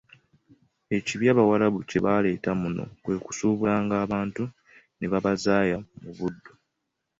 Ekibi Abawarabu kye baaleeta muno kwe kusuubulanga abantu ne babazaaya mu buddu.